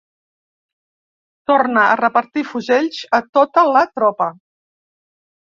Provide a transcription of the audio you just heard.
Torna a repartir fusells a tota la tropa.